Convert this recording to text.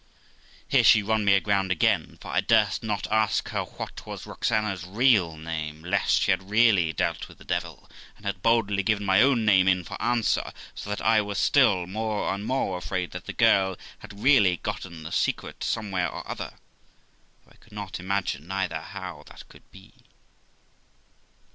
Here she run me aground again, for I durst not ask her what was Roxana's real name, lest she had really dealt with the devil, and had boldly given my own name in for answer; so that I was still more and more afraid that the girl had really gotten the secret somewhere or other; though I could not imagine neither how that could be.